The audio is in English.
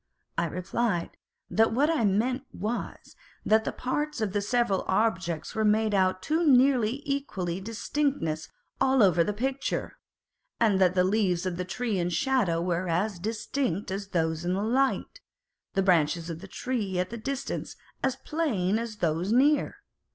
I replied, that what I meant was, that the parts of the several objects were made out with too nearly equal distinctness all over the picture ; that the leaves of the trees in shadow were as distinct as those in light, the branches of the trees at a distance as plain as of those near.